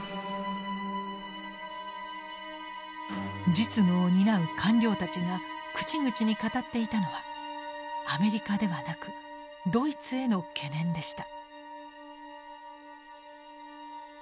実務を担う官僚たちが口々に語っていたのはアメリカではなくドイツへの懸念でした。